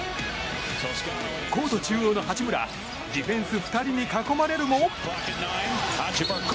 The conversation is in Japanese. コート中央の八村ディフェンス２人に囲まれるも。